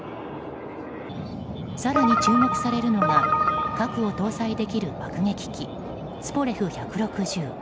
更に注目されるのが核を搭載できる爆撃機ツポレフ１６０。